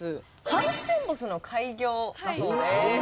ハウステンボスの開業だそうです。